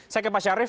saya ke pak sharif